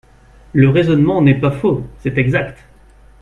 Le raisonnement n’est pas faux, c’est exact